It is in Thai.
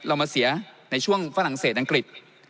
เรามาเสียในช่วงฝรั่งเศสอังกฤษ